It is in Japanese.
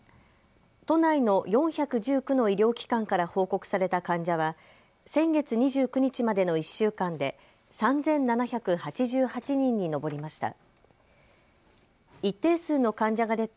都内の４１９の医療機関から報告された患者は先月２９日までの１週間で３７８８人に上りました。